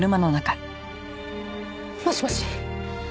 もしもし？